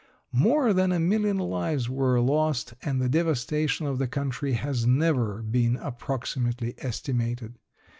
More than a million lives were lost and the devastation of the country has never been approximately estimated.